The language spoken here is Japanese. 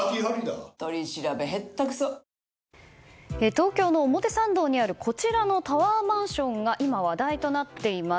東京の表参道にあるこちらのタワーマンションが今話題となっています。